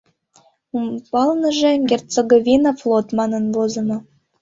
Умбалныже «Герцеговина Флор» манын возымо.